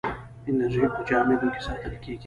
انرژي په جامدو کې ساتل کېږي.